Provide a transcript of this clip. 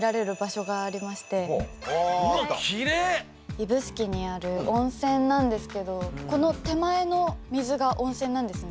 指宿にある温泉なんですけどこの手前の水が温泉なんですね。